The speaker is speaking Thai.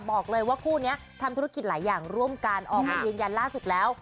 บอกเลยว่าคู่นี้ทำธุรกิจหลายอย่างร่วมกันออกมายืนยันล่าสุดแล้ว